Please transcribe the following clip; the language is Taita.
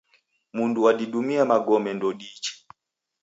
Mundu wadidumia magome ndoudiichi